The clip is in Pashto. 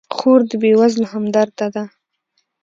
خور د بېوزلو همدرده ده.